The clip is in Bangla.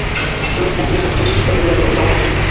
এরূপ বিসদৃশ জুতা পরিয়া কলেজে যাওয়াই অসম্ভব।